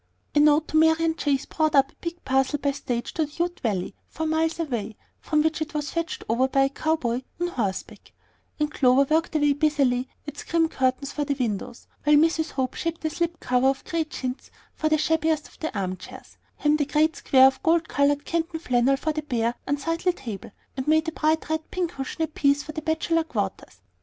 A note to Marian Chase brought up a big parcel by stage to the Ute Valley, four miles away, from which it was fetched over by a cow boy on horseback; and Clover worked away busily at scrim curtains for the windows, while Mrs. Hope shaped a slip cover of gay chintz for the shabbiest of the armchairs, hemmed a great square of gold colored canton flannel for the bare, unsightly table, and made a bright red pincushion apiece for the bachelor quarters.